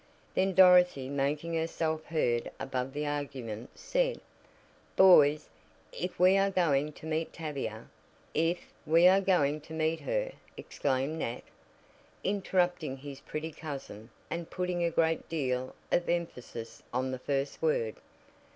Then Dorothy, making herself heard above the argument, said: "Boys, if we are going to meet Tavia " "If we are going to meet her!" exclaimed Nat, interrupting his pretty cousin, and putting a great deal of emphasis on the first word.